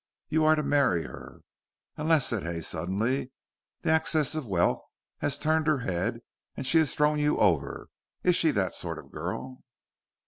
You are to marry her. Unless," said Hay, suddenly, "this access of wealth has turned her head and she has thrown you over. Is she that sort of girl?"